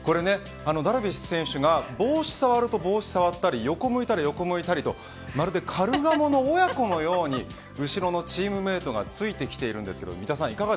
ダルビッシュ選手が帽子を触ると帽子を触ったり横を見ると横を見たりまるでカルガモの親子のように後ろのチームメートがついてきているんです。